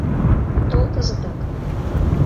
Тол кызытак!